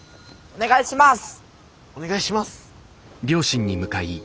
お願いします！